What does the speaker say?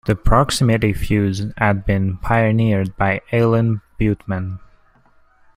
The proximity fuze had been pioneered by Alan Butement.